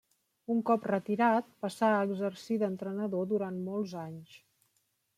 Un cop retirat passà a exercir d'entrenador durant molts anys.